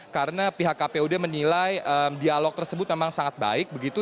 karena pihak kpud menilai dialog tersebut memang sangat baik begitu